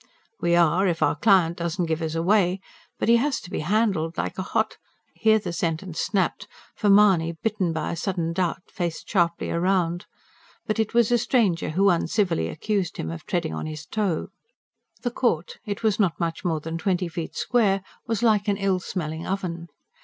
"We are, if our client doesn't give us away. But he has to be handled like a hot " Here the sentence snapped, for Mahony, bitten by a sudden doubt, faced sharply round. But it was a stranger who uncivilly accused him of treading on his toe. The court it was not much more than twenty feet square was like an ill smelling oven.